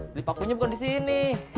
beli pakunya bukan di sini